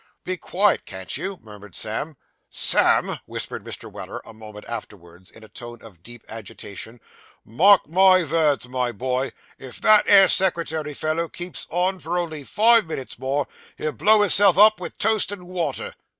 Be quiet, can't you?' murmured Sam. 'Sam,' whispered Mr. Weller, a moment afterwards, in a tone of deep agitation, 'mark my vords, my boy. If that 'ere secretary fellow keeps on for only five minutes more, he'll blow hisself up with toast and water.